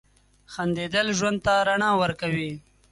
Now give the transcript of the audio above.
• خندېدل ژوند ته رڼا ورکوي.